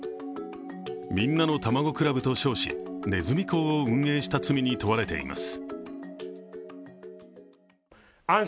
みんなのたまご倶楽部と称し、ねずみ講を運営した罪に問われています。